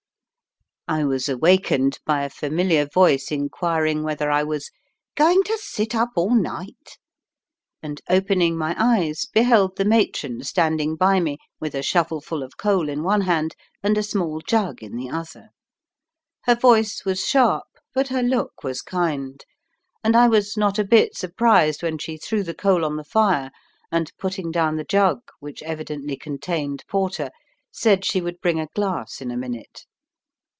I was awakened by a familiar voice inquiring whether I was "going to sit up all night," and opening my eyes beheld the matron standing by me with a shovelful of coal in one hand and a small jug in the other. Her voice was sharp, but her look was kind, and I was not a bit surprised when she threw the coal on the fire, and, putting down the jug, which evidently contained porter, said she would bring a glass in a minute.